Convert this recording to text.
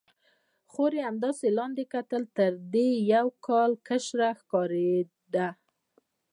خور یې همداسې لاندې کتل، تر دې یو کال کشره ښکارېده.